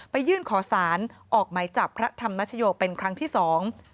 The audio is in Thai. ยื่นขอสารออกหมายจับพระธรรมชโยเป็นครั้งที่สอง